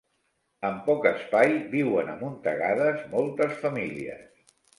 En poc espai viuen amuntegades moltes famílies.